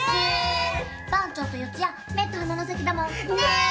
番町と四谷目と鼻の先だもんね！